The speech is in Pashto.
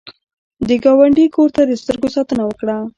د ګاونډي کور ته د سترګو ساتنه وکړه